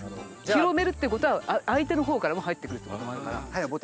広めるってことは相手のほうからも入ってくるってことだから。